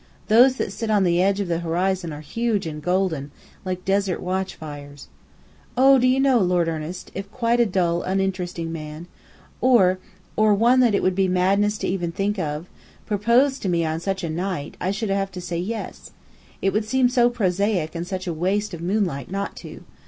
Those that sit on the edge of the horizon are huge and golden, like desert watch fires. Oh, do you know, Lord Ernest, if quite a dull, uninteresting man, or or one that it would be madness even to think of proposed to me on such a night, I should have to say yes. It would seem so prosaic and such a waste, of moonlight, not to.